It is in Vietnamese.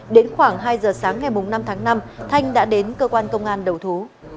đến khoảng hai h sáng ngày bốn tháng năm thanh đã đến cơ quan công an đầu thú